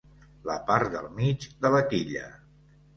La part del mig de la quilla.